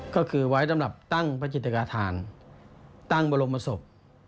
ก็คือไว้สำหรับตั้งพระจิตกาธานตั้งบรมศพ